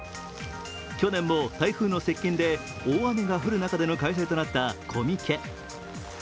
去年も台風の接近で大雨が降る中での開催となったコミケ。